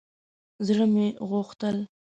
زړه مې غوښتل